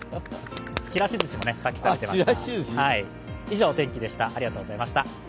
ちらし寿司もさっき食べていました。